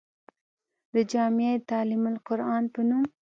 د جامعه تعليم القرآن پۀ نوم